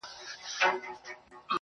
بيا دي تصوير گراني خندا په آئينه کي وکړه